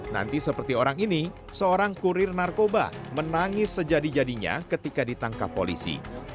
nanti seperti orang ini seorang kurir narkoba menangis sejadi jadinya ketika ditangkap polisi